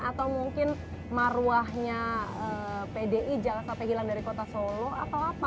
atau mungkin maruahnya pdi jalaka pihilan dari kota solo atau apa mas